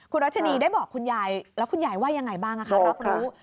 คุณรัชนีได้บอกคุณยายแล้วคุณยายว่ายังไงบ้างคะรอบนี้